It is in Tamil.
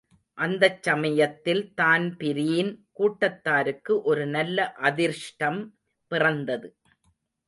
அந்தச்சமயத்தில் தான்பிரீன் கூட்டத்தாருக்கு ஒரு நல்ல அதிர்ஷ்டம் பிறந்தது.